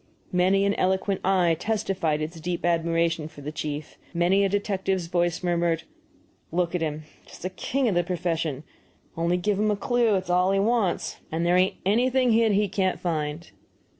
Many an eloquent eye testified its deep admiration for the chief, and many a detective's voice murmured, "Look at him just the king of the profession; only give him a clue, it's all he wants, and there ain't anything hid that he can't find."